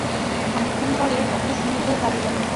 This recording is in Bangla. খানিকক্ষণ পরে অপু সুনীলদের বাড়ি গেল।